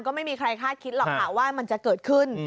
ก็ไม่มีใครคาดคิดหรอกค่ะว่ามันจะเกิดขึ้น